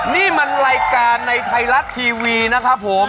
นี่มันรายการในไทยรัฐทีวีนะครับผม